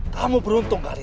kamu beruntung kali